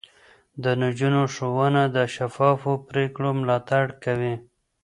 د نجونو ښوونه د شفافو پرېکړو ملاتړ کوي.